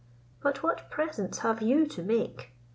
But what presents have you to make?